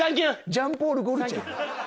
ジャン＝ポール・ゴルチエ。